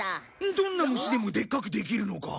どんな虫でもでっかくできるのか？